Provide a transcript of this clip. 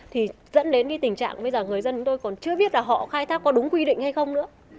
thì dẫn đến cái tình trạng bây giờ người dân chúng tôi còn chưa biết là họ khai thác có đúng quy định hay không nữa